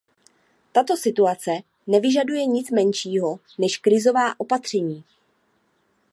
Tato situace nevyžaduje nic menšího než krizová opatření.